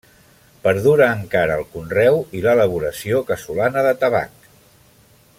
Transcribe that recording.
Perdura encara el conreu i l'elaboració casolana de tabac.